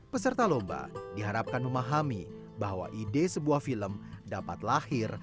peserta lomba diharapkan memahami bahwa ide sebuah film dapat lahir